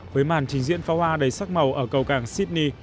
với màn trình diễn phá hoa đầy sắc màu ở cầu càng sydney